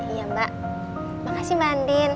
iya mbak makasih mbak andin